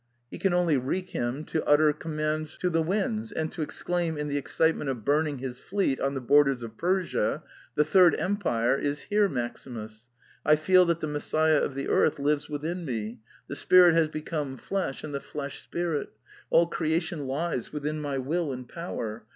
He can only wreak him to utter com mands to the winds, and to exclaim, in the ex citement of burning his fleet on the borders of Persia, *' The third empire is here, Maximus. I feel that the Messiah of the earth lives within me. The spirit has become flesh and the flesh spirit. All creation lies within my will and power.